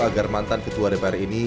agar mantan ketua dpr ini